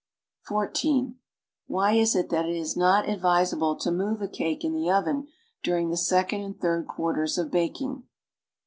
(11) Why is it that it is not advisable to move a cake in the oven during the second and third quarters of baking?